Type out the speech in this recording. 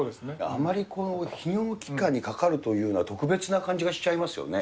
あまり泌尿器科にかかるというのは、特別な感じがしちゃいますよね。